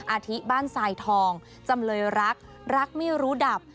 อาทิบ้านทรายทองจำเลยรักรักไม่รู้ดับ